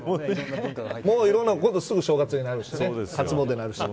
もうすぐ正月になるし初詣になるし。